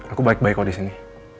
aku baik baik kalau di sini